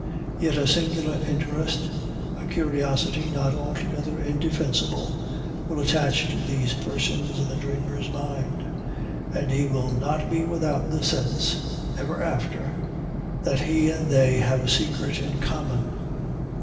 Yet a singular interest, a curiosity not altogether indefensible, will attach to these persons in the dreamer's mind, and he will not be without the sense, ever after, that he and they have a secret in common.